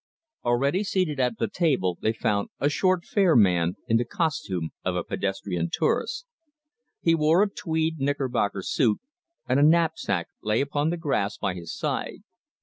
Already seated at the table they found a short fair man, in the costume of a pedestrian tourist. He wore a tweed knickerbocker suit, and a knapsack lay upon the grass by his side.